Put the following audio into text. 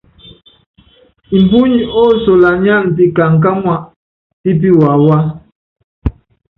Mbuny osolanyáan pikaŋkáŋua pi piwawá.